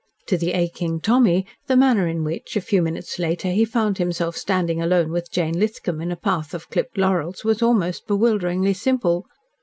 To the aching Tommy the manner in which, a few minutes later, he found himself standing alone with Jane Lithcom in a path of clipped laurels was almost bewilderingly simple.